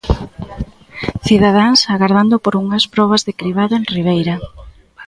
Cidadáns agardando por unhas probas de cribado en Ribeira.